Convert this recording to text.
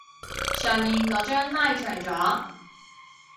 上面嗰張拉長咗